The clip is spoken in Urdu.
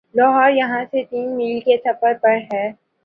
لاہور یہاں سے تین میل کے فاصلے پر ہے